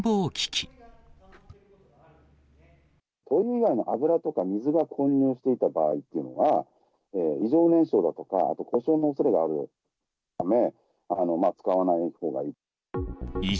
灯油以外の油とか水が混入していた場合っていうのは、異常燃焼だとか、あと故障のおそれがあるため、使わないほうがいい。